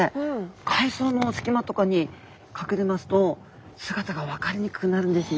海藻のすきまとかにかくれますと姿が分かりにくくなるんですね。